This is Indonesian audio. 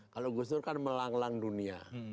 kalau gusul kan melanglang dunia